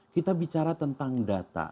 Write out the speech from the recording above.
kita bicara tentang data